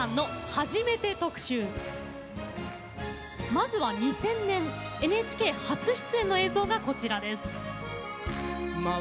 まずは２０００年ＮＨＫ初出演の映像がこちらです。